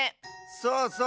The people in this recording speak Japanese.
そうそう。